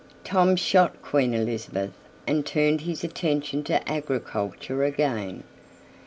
Tom shot Queen Elizabeth, and turned his attention to agriculture again.